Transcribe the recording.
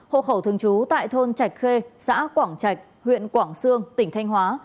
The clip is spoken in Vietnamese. hộ khẩu thường trú tại thôn trạch khê xã quảng trạch huyện quảng sương tỉnh thanh hóa